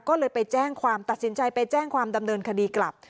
ก็เลยไปแจ้งความตัดสินใจไปแจ้งความดำเนินคดีกลับ